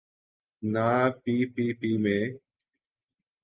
نہ P P P میں۔